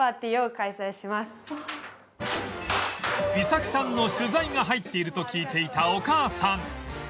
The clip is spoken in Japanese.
衣咲さんの取材が入っていると聞いていたお母さん